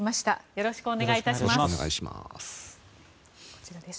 よろしくお願いします。